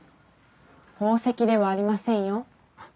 宝石ではありませんよ。